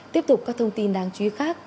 tiếp tục các thông tin đáng chú ý khác